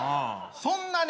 そんなね